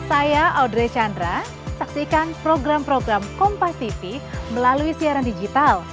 saya audrey chandra saksikan program program kompassiti melalui siaran digital